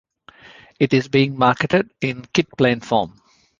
It is being marketed in kitplane form.